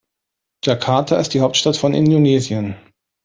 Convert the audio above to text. Jakarta ist die Hauptstadt von Indonesien.